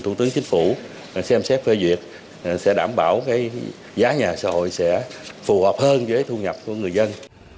thủ tướng chính phủ xem xét phê duyệt sẽ đảm bảo giá nhà xã hội sẽ phù hợp hơn với thu nhập của người dân